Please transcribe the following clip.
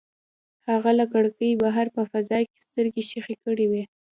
هغه له کړکۍ بهر په فضا کې سترګې ښخې کړې وې.